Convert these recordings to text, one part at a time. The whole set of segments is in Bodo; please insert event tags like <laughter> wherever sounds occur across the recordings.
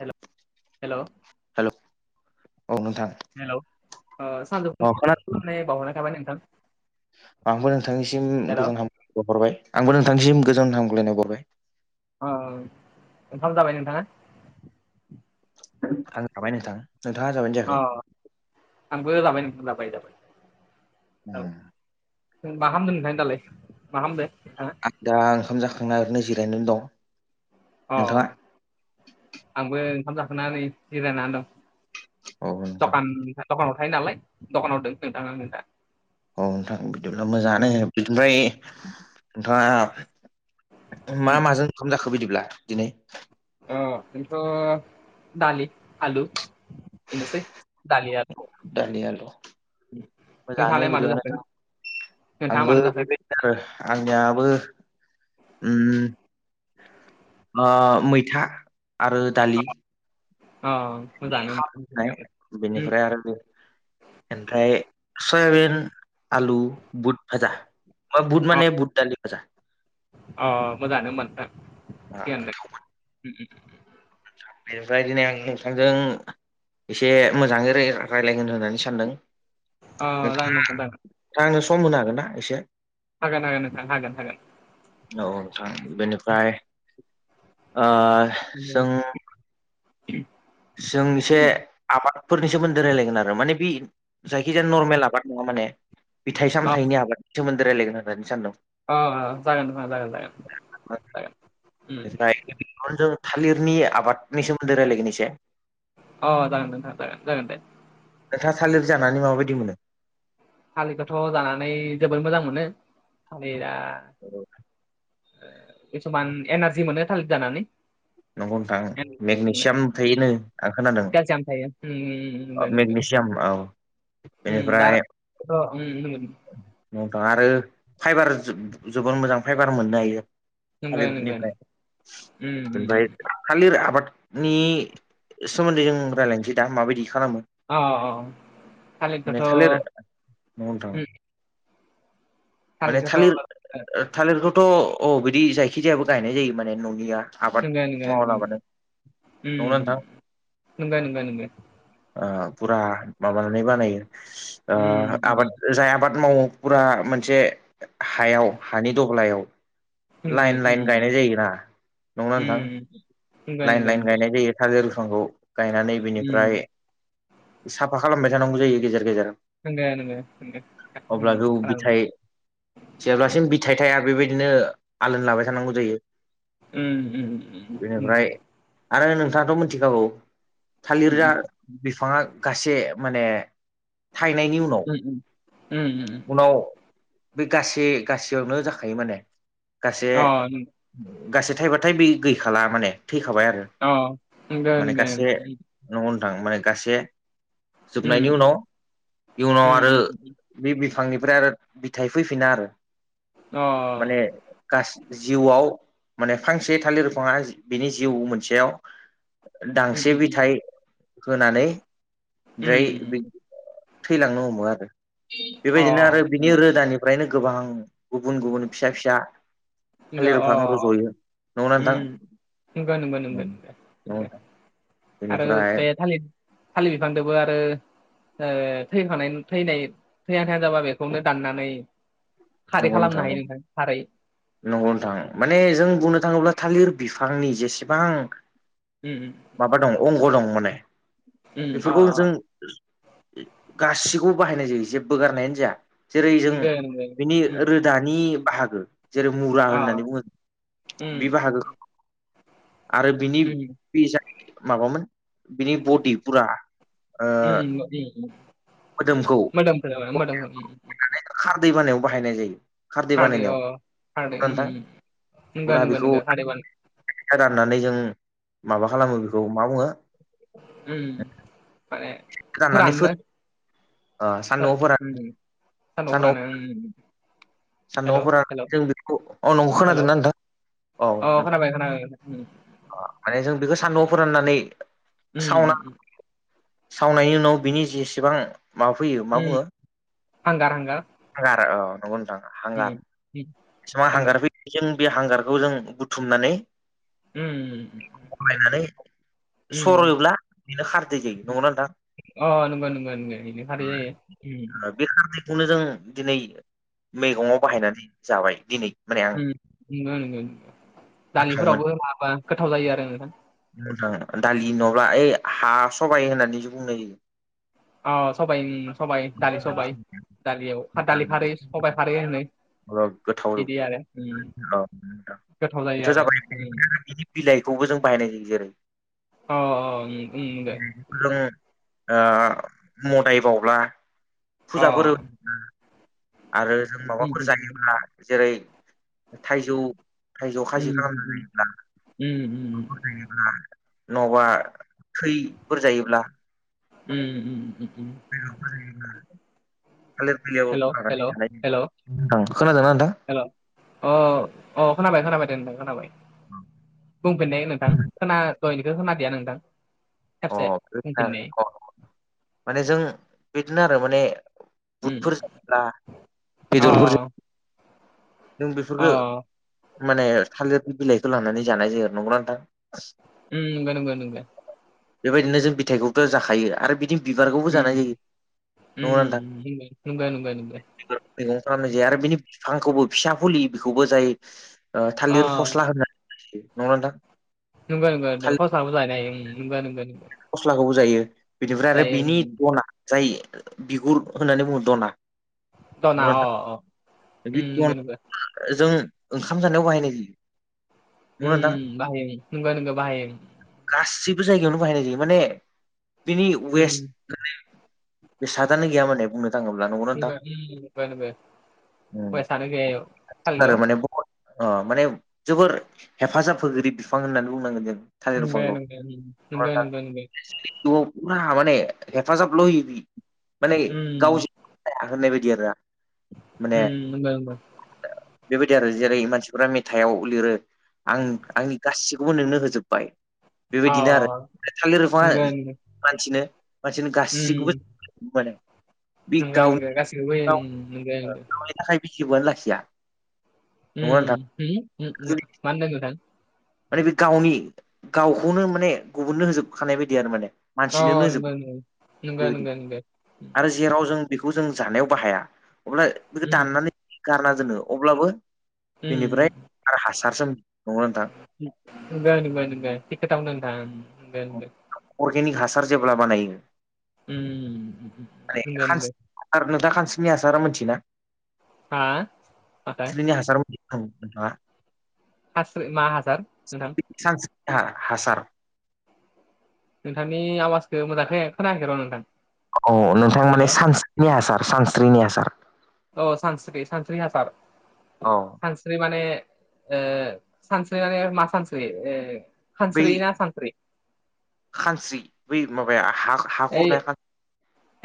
हेल' हेल' हेल' औ नोंथां हेल' सानजौफुनि गोजोन हामलामनाय बावहरनाय थाबाय नोंथां आंबो नोंथांनिसिम हेल' गोजोन हामग्लायनाय बावहरबाय आंबो नोंथांनिसिम गोजोन हामगलायनाय हरबाय अ ओंखाम जाबाय नोंथाङा आं जाबाय नोंथां नोंथाङा जाबायानो अ जायाखै आंबो जाबाय नोंथां जाबाय जाबाय उम औ नों मा खालामदों नोंथां दालाय मा खालामदों नोंथाङा आं दा ओंखाम जाखांना ओरैनो जिरायनानै दं अ नोंथाङा आंबो ओंखाम जाखांना नै जिरायनानै दं औ नोंथां दखान दखानाव थायो नालाय दखानाव दं नोंथां आङो दा औ नोंथां बिदिब्ला मोजाङानो बिनिफ्राय नोंथाङा मा उम माजों ओंखाम जाखो बिदिब्ला दिनै अ बेथ' दालि आलु बेनोसै दालि आलु दालि आलु मोजाङानो नोंथाङालाय मादो बिदिबा जाखो नोंथां नोंथाङा आंबो मादो जाखो <unintelligible> आंनियाबो अ मैथा आरो दालि अ मोजाङानो होमबा नोंथांनियाबो। <unintelligible> उम बिनिफ्राय आरो बे ओमफ्राय सयाबिन आलु बुट भाजा मा बुट अ माने बुट दालि फाजा अ मोजाङानो होमबा ओ नोंथां थिगानो दों बेनिफ्राय दिनै आं नोंथांजों एसे मोजाङै रायलायगोन होननानै सानदों अ जागोन नोंथाङा नोंथां जागोन नोंथाङा आंनो सम होनो हागोनना एसे हागोन हागोन नोंथां हागोन हागोन औ औ नोंथां बेनिफ्राय जों जों एसे आबादफोरनि सोमोनदै रायलायगोन आरो माने बे जायखिजाया नरमेल आबाद नङा माने फिथाइ अ सामथायाइनि आबादनि सोमोनदै रायलायगोन होननानै सानदों अ जागोन नोंथां जागोन जागोन ओमफ्राय जों थालिरनि आबादनि सोमोनदै रायलायगोन एसे अ जागोन नोंथां जागोन जागोन दे नोंथाङा थालिर जानानै माबायदि मोनो थालिदखौथ' जानानै जोबोद मोजां मोनो थालिदा औ किसुमान एनारजि मोनो थालिद जानानै नंगौ नोंथां एनारजि मोनो। मेगनेसियाम थायोनो आं खोनादों केलसियाम थायो उम औ मेग्नेसियाम औ ओम दा बेनिफ्राय अ ओम औ नोंथां आरो फाइबार जोबद मोजां फाइबार मोननो हायो नोंगो नोंगो थालिरनिफ्राय ओमफ्राय थालिर आबादनि सोमोनदै जों रायजलायनोसै दा माबायदि खालामो अ अ माने थालिरखौथ' थालिर नंगौ नोंथां उम माने थालिर थालिरखौथ' ओ थालिरखौथ' अ बिदि जायखिजायाबो गायनाय जायो माने न'निया आबाद नंगौ नंगो नंगौ मावालाबानो नंगौना उम नोंथां नंगौ नंगौ नंगौ ओ फुरा माबानानै बानायो ओ उम उम आबाद जाय आबाद मावो फुरा मोनसे हायाव हानि दब्लायाव लाइन लाइन गायनाय जायोना नंगौना नोंथां लाइन लाइन गायनाय जायो थालेर बिफांखौ गायनानै बिनिफ्राय साफा खालामबाय थानांगौ जायो गेजेर गेजेराव नोंगो नोंगो नोंगो उम बिथाइ जेब्लासिम बिथाइ थाया बेबायदिनो आलो लाबाय थानांगौ जायो ओम ओम बेनिफ्राय आरो नोंथाङाथ' मिथिखागौ थालिर जा बिफाङा गासै माने थाहनायनि उनाव उनाव बे गासै गासैयावनो जाखायो माने गासै गासै थाइब हाथाय बे गैखाला माने थैखाबाय आरो माने गासै नंगौ नोंथां माने गासै जोबनायनि उनाव इउनाव आरो बे बिफांनिफ्राय आरो बिथाइ फैफिना आरो माने गासै जिउआव माने फांसे थालिर बिफाङा बिनि जिउ मोनसेयाव दांसे बिथय होनानै ओरै थैलांनो हमो आरो बेबायदिनो आरो बिनि रोदानि ओफ्रायनो गोबां गुबुन गुबुन फिसा फिसा थालिर बिफां रज'यो नंगौना नोंथां ओम नंगौ नंगौ नंगौ दे दे नोंथां आरो बेनिफ्राय बे थालिर थालिर बिफांदोंबो आरो ओ थैखानाय थैनाय थैया थजाबा बेखौनो दाननानै खारै खालामनो हायो नोंथां खारै नंगौ नोंथां माने जों बुंनो थाङोब्ला थालिर बिफांनि जेसेबां। ओम माबा दं अंग दं माने उम अ बेफोरखौ जों अ गासिखौबो बाहायनाय जायो जेबो गारनायानो जाया जेरै जों दे दे रोदानि बाहागो जेरै मुरा अ होननानै बुङो उम बे बाहागोखौ आरो बिनि उम बे जो माबामोन बिनि बडि फुरा ओ मोदोमखौ <unintelligible> खार दै बानायाव बाहायनाय जायो। खारदै अ खारदै उम नोंथां उम नंगा नंगौ नंगौ खारदै <unintelligible> फोराननानै जों माबा खालामो बेखौ मा बुङो उम उम माने राननानै फोर फोराननो ओ फो सान्दुंआव फोरान उम सान्दुंआव फोरानो उम। सानदुं हेल' आव फोरान हेल' जों बेखौ अ नंगौ हेल' खोनादोंना नोंथां? अ खोनाबाय खानाबाय। अ माने जों बेखौ सान्दुंआव फोराननानै उम सावना। उम सावनायनि उनाव बिनि जेसेबां माबा फैयो मा उम बुङो। हांगार हांगार हांगार औ नंगौ नोंथां उम हांगार उम बेसिबां थांगोन हांगार फै <unintelligible> बे हांगारखौ जों बुथुमनानै उम गायनानै उम सर'योब्ला बेनो खारदै जायो। नंगौ नोंथां? अ अ नंगो नोंगो नोंगो इनो खारै जायो। बे खारदैखौनो जों दिनै मैगङाव बाहायनानै जाबाय दिनै। माने आं उम नोंगो नोंगो गोथाव दालिफोरावबो माबा गोथाव जायो। आरो नोंथां मोजां दालि नङाब्ला ओइ हा सबाइ होननानैसो बुंनाय जायो। अ सबाइ उम सबाइ दालि सबाइ दालियाव दालि खारै सबाइ खारै होनानै अ गोथाव रौ औ। गोथाव बेथ' जायो आरो जाबाय उम बिनि बिलाइखौबो जों बाहायनाय <unintelligible> जेरै अ अ उम उम नोंगो। जों ओ मदायबावब्ला अ फुजाफोर आरो जों माबाफोर जायोब्ला। जेरै थाइजौ थाइजौ खायजि उम उम खालामनानै उम उम उम <unintelligible> <unintelligible> नङाबा थैफोर जायोब्ला उम उम उम। <unintelligible> <unintelligible> <unintelligible> हेल' हेल' हेल' अ खोनादों ना नोंथां? हेल' अ अ खोनाबाय खोनाबाय दे नोंथां खोनाबाय। <inaudible> बुंफिननाय नोंथां खोना दहयनिखौ खोनादिया नोंथां। अ खेबसे बिदिनो बुंफिननाय अ माने जों बिदिनो आरो माने उम बुटफोर जायोब्ला अ बेदरफोरजो नों अ बेफोरफोरखो माने थालिर बिलाइखो लानानै जानाय जायो नंगौ ना नोंथां? उम नोंगौ नोंगो नोंगो। बेबायदिनो जों बिथाइखौथ' जाखायो आरो बिदि बिबारखौबो जानाय जायो उम नंगौ ना नोंथां? उम नंगौ नंगौ नंगौ मैगं खालामनाय जायो आरो बिनि बिफांखौबो फिसा फुलि बेखौबो जायो। थालिर अ फस्ला होननानै नंगौना‌ नोंथां? नोंगौ नोंगो थालिर फस्लाबो जानो हायो। नोंगो नोंगो नोंगो। फस्लाखौबो जायो। बिनिफ्राय आरो बिनि उम दना जाय बिगुर होननानै बुङो, दना। दना बे अ अ उम नंगौ दन नंगौ जों ओंखाम जानायाव बाहायनाय जायो। उ नंगौना बाहायो नोंगो नोंगो बाहायो। गाससिबो जायगायावनो बाहायनाय जायो माने बिनि उम वेस्ट बेसादानो गैया माने बुंनो थाङोब्ला नंगौना नोंथां? नंगौ उम नंगौ नंगौ वेस्टआनो गैया इयाव उम खालिदाव आरो माने ब अ माने जोबोर हेफाजाब होगिरि बिफां होननानै बुंनांगोन जों। <unintelligible> न'आव फुरा माने हेफाजाबल' होयो बि माने उम गावजों होननाय बायदि आरोना माने उम नंगौ नंगौ बेबायदि आरो जेरै मानसिफोरा मेथाइआव लिरो आं आंनि गासिखौबो नोंनो होजोब्बाय अ थालिर बिफाङा नंगौ नंगौ मानसिनो मानसिनो उम गासैखौबो माने नंगौ नंगौ गासैखौबो होयो उम, नंगौ नंगौ <unintelligible> लाखिया नंगौना नोंथां मा होनदो नोंथां माने बे गावनि गावखौनो माने गुबुननो होजोबखानाय बायदि आरो माने औ मानसिनोनो होजोब नंगौ नंगौ नंगौ बेबायदि नंगौ नंगौ आरो जेराव जों बेखौ जों जानायाव बाहाया अब्ला बेखौ उम दाननानै गारना दोनो अब्लाबो उम बेनिफ्राय आरो हासारसो नंगौ नोंथां <unintelligible> अर्गेनिक हासार जेब्ला बानायो उ नंगौ नंगौ आरो नोंथा खानस्रिनि हासार मिथियोना हा माथो खानस्रिनि हासार <unintelligible> खानस्रि मा हासार नोंथां <unintelligible> हासार नोंथांनि आवाजखौ मोजांहै खोनायाखै र' नोंथां औ नोंथां माने हेल' सानस्रिनि हासार सानस्रिनि हासार औ सानस्रि सानस्रि हासार औ सानस्रि माने सानस्रि माने मा सानस्रि बै खानस्रि ना हानस्रि खानस्रि बै माबाया हा हा ओइ खुरनाय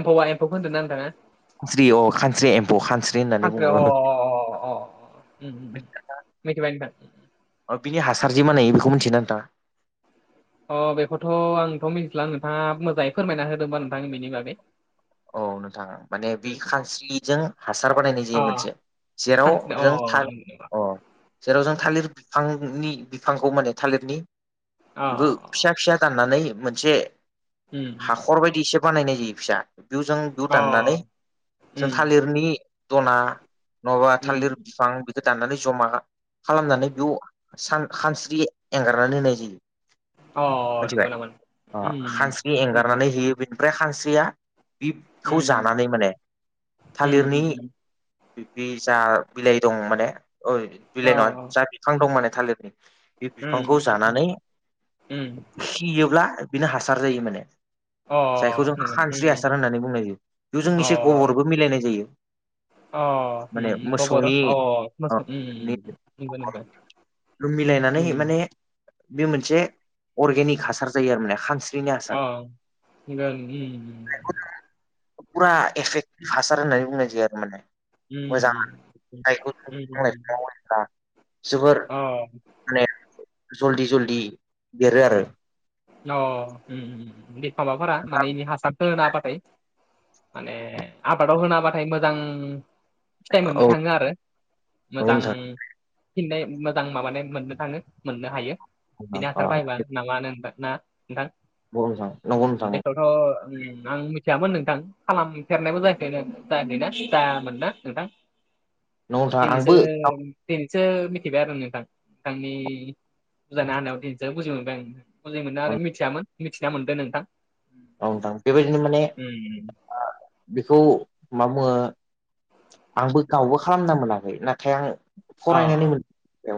एम्फौआ एम्फौखौ होनदों ना नोंथाङा खानस्रि अ खानस्रि एम्फौ खानस्रि होननानै बुङो उ मिथिबाय नोंथां अ बिनि हासार जे बानायो बेखौ मिथियोना नोंथाङा अ बेखौथ' आंथ' मिथिला नोंथाङा मोजाङै फोरमायना होदो होनबा नोंथां बेनि बागै औ नोंथां माने बे उम खानस्रिजों हासार बानायनाय जायो मोनसे अ जेराव सानस्रि अ जों नंगौ नामा <unintelligible> अ जेराव जों थालिर बिफांनि बिफांखौ माने थालिरनि अ बेबो फिसा फिसा दाननानै मोनसे उम हाखर बायदि एसे बानायनाय जायो फिसा <unintelligible> अ दाननानै जों उम थालिरनि दना नङाबा थालिर उम बिफां बि दाननानै जमा खालामनानै बेयाव खानस्रि एंगारनानै होनाय जायो अ नंगौ मिथिबाय नामा उम खानस्रि एंगारनानै होयो मिथिबाय बेनिफ्राय खानस्रिया बिखौ उम जानानै माने उम थालिरनि उम उम बे जा बिलाइ दं माने अ बिलाइ नङा जा बिफां दं माने थालिरनि बे बिफांखौ उम जानानै उम योब्ला बिनो हासार जायो माने अ जायखौ जों नंगौ खानस्रि हासार उम होननानै बुंनाय जायो बेयाव जों अ एसे गबरबो मिलायनाय जायो अ माने गबर मोसौनि अ ओ नंगौ नंगौ मिलायनानै उम माने बे मोनसे अर्गेनिक हासार जायो आरो माने खानस्रि अ <unintelligible> फुरा एफेक्टिभ हासार होननानै बुंनाय जायो आरो माने <unintelligible> जोबोर माने जल्दि जलदि देरो आरो अ बे माबाफोरा माने इनि हासार होनाबाथाय माने आबादाव होनाबाथाय मोजां फिथाइ मोननो औ थाङो आरो। नंगौ मोजां फिननाय मोजां माबानाय मोननो थाङो मोननो हायो। नोंथां अ ओंथारबायबा नाबानो होनबा ना नोंथां? नंगौ नोंथां नंगौ नोंथां नंगौ आं मिथियामोन नोंथां। खालामफेरनायबो जायाखैनो जै जायामोन ना नोंथां? नोंथां तिनिसो आंबो दिनैसो मिथिबाय आरो नोंथां नोंथांनि बुजानाय हानायाव दिनैसो बुजि मोनबाय आं नोंथां। बुजि मोनो औ आरो मिथियामोन मिथिना मोनदों नोंथां। अ नोंथां बेबायदिनो माने उम बेखौ मा बुङो? आंबो गावबो खालामना मोनाखै नाथाय आं अ फरायनानै मोनो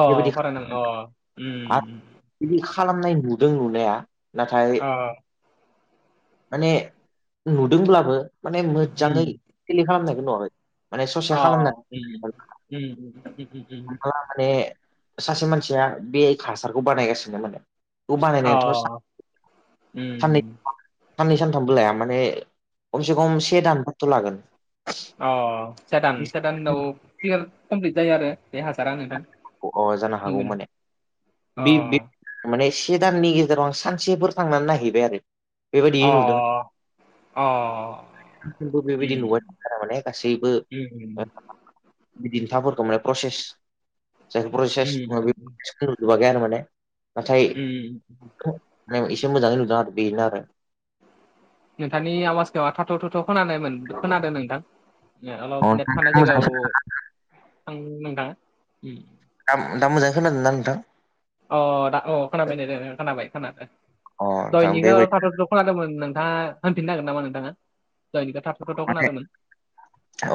अ बेबायदि फरायनां अ आरो उम <unintelligible> बिदि खालामनाय नुदों नुनाया नाथाय अ माने नुदोंब्लाबो माने मोजाङै उम फिलि खालामनायखौ नुवाखै। माने ससे अ खालामनानै उम उम उम उम उम माला माने सासे मानसिया बे हासारखौ बानायगासिनो मोनो। अ साननै उम साननै सानथामबो लाया माने खमसे खम से दानफोरथ' लागोन। अ स दान से दानाव क्लियार कमप्लिट जायो आरो बे हाजारा नोंथां। अ जानो हागौ नंगौनो माने बे बे अ माने से दाननि गेजेराव आं सानसेफोर थांनानै नायहैबाय आरो। बेबायादि अ नुदों। अ बो बेबायदि नुबाय उम थ माने गासैबो उम <unintelligible> बिदिन थाबरखौ माने प्रसेस <unintelligible> एसे मोजाङै उम उम उम नुदों आरो बेनो आरो। नोंथांनि आवाजखौ थाथ' थुथ' खोनानायमोन खोनादों नोंथां। अ अलप नेट थानाय नोंथां जायगायाव थां नोंथाङा। दा दा मोजाङै खोनादोंदा नोंथां? अ दे औ खोनाबाय दे दे खोनाबाय अ नोंथां बेबायदि खोनादों <unintelligible> खोनादोंमोन नोंथाङा होनफिननो हागोन नामा नोंथाङा? जायनि दा थाबाव थाबथाव माने खोनादोंमोन।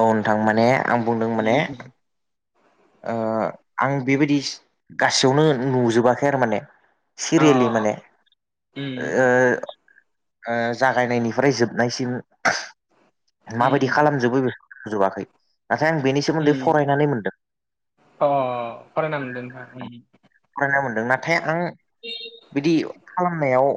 औ नोंथां माने आं बुंदों माने आं बेबायदि गासैयावनो नुजोबाखै आरो माने। सिरियेलि अ माने ओ उम उम जागायनायनिफ्राय जोबनायसिम माबायदि उम उम खालामजोबो बेखौ? जयाखै अ फरायना मोनदों नों फरायना मोनदों नाथाय आं बिदि खालामनायाव